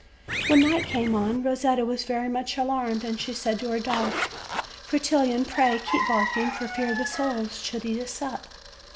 When night came on Rosetta was very much alarmed, and she said to her dog. "Fretillon, pray keep barking, for fear the soles should eat us up."